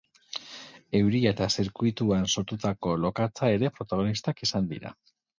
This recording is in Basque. Euria eta zirkuituan sortutako lokatza ere protagonistak izan dira.